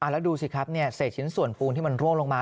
ระดูสิครับเสร็จชิ้นส่วนฟูงที่มันร่วงลงมา